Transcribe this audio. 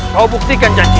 kau buktikan janji